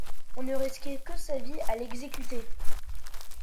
On ne risquait que sa vie à l’exécuter.